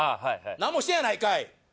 「何もしてへんやないかーい」